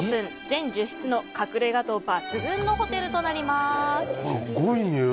全１０室の隠れ家度抜群のホテルとなります。